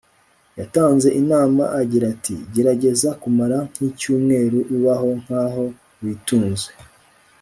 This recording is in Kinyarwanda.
yatanze inama agira ati “gerageza kumara nk'icyumweru ubaho nk'aho witunze